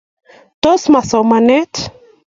Tos ma somanet?